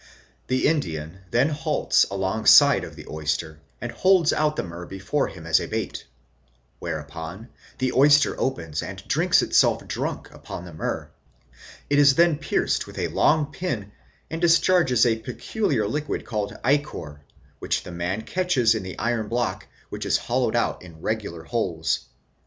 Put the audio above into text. The Indian then halts alongside of the oyster and holds out the niyrrh before him as a bait ; whereupon the oyster opens and drinks itself drunk upon the myrrh. Then it is pierced with a long pin and discharges a peculiar liquid called ichor, which the man 'catches in the iron block whicb is hollowed out in regular holes.